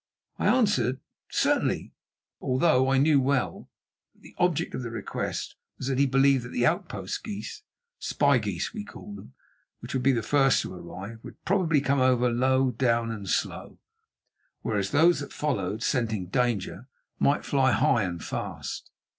I answered, "Certainly," although I knew well that the object of the request was that he believed that the outpost geese—"spy geese" we called them—which would be the first to arrive, would probably come over low down and slow, whereas those that followed, scenting danger, might fly high and fast.